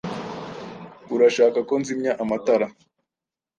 Urashaka ko nzimya amatara?